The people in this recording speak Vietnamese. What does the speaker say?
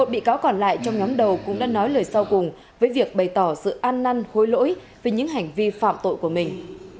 một mươi bị cáo còn lại trong nhóm đầu cũng đã nói lời sau cùng với việc bày tỏ sự an năn hối lỗi về những hành vi phạm tội của mình